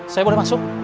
saya boleh masuk